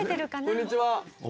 こんにちは。